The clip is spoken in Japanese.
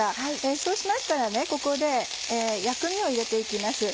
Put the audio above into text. そうしましたらここで薬味を入れて行きます。